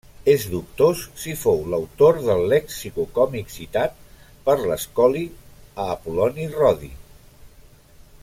És dubtós si fou l'autor del lexicó còmic citat per l'Escoli a Apol·loni Rodi.